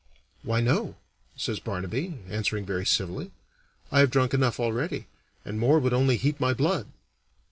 "Why, no," says Barnaby, answering very civilly; "I have drunk enough already, and more would only heat my blood."